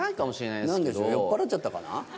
酔っぱらっちゃったかな？